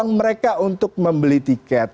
peluang mereka untuk membeli tiket